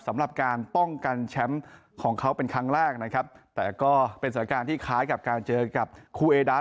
สำหรับการป้องกันแชมป์ของเขาเป็นครั้งแรกนะครับแต่ก็เป็นสถานการณ์ที่คล้ายกับการเจอกับครูเอดา